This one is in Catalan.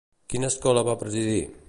Quina escola va presidir?